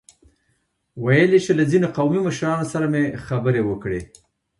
ويل يې چې له ځينو قومي مشرانو سره مې خبرې وکړې.